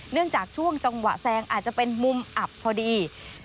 จากช่วงจังหวะแซงอาจจะเป็นมุมอับพอดี